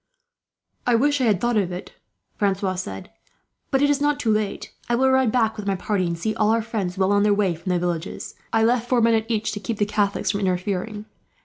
"I wish I had thought of it," Francois said. "But it is not too late. I will ride back with my party, and see all our friends well on their way from the villages. I left four men at each, to keep the Catholics from interfering.